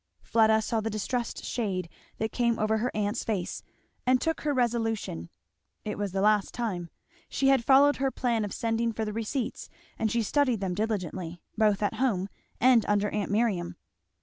Fleda saw the distressed shade that came over her aunt's face, and took her resolution. It was the last time. She had followed her plan of sending for the receipts, and she studied them diligently, both at home and under aunt Miriam.